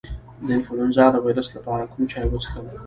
د انفلونزا د ویروس لپاره کوم چای وڅښم؟